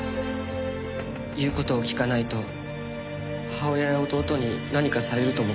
言う事を聞かないと母親や弟に何かされると思った。